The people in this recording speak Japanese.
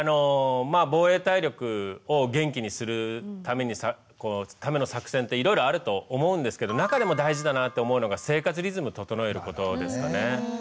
「防衛体力」を元気にするための作戦っていろいろあると思うんですけど中でも大事だなって思うのが生活リズム整えることですかね。